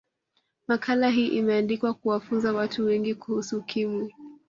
makala hii imeandikwa kuwafunza watu wengi kuhusu ukimwi